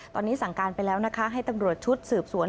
ตอนนี้สั่งการไปแล้วนะคะให้ตำรวจชุดสืบสวน